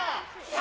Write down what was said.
あ！